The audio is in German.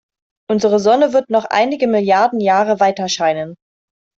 Unsere Sonne wird noch einige Milliarden Jahre weiterscheinen.